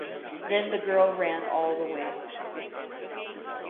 Then the girl ran all the way home.